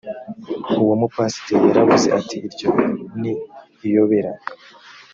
uwo mupasiteri yaravuze ati iryo ni iyobera